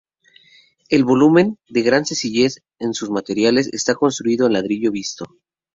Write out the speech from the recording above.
El volumen, de gran sencillez en sus materiales, está construido en ladrillo visto.